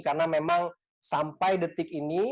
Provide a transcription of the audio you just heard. karena memang sampai detik ini